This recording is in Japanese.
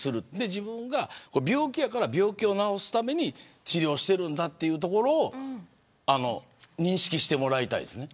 自分が病気やから病気を治すために治療してるんだというところを認識してもらいたいです。